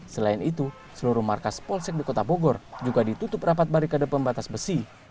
selain itu seluruh markas polsek di kota bogor juga ditutup rapat barikade pembatas besi